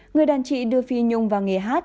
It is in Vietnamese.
người đàn chị đưa phi nhung vào nghề hát